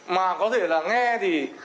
mà có thể là nghe thì